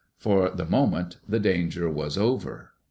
For the moment the danger was over.